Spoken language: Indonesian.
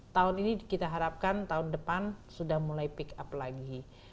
tahun ini kita harapkan tahun depan sudah mulai pick up lagi